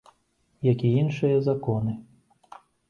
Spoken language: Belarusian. Як і іншыя законы.